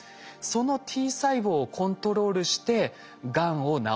そのＴ細胞をコントロールしてがんを治していく。